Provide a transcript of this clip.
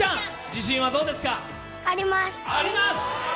あります！